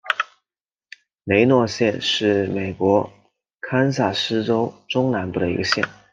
雷诺县是美国堪萨斯州中南部的一个县。